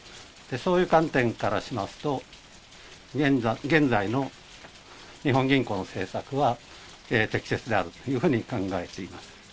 そういう観点からしますと、現在の日本銀行の政策は適切であるというふうに考えています。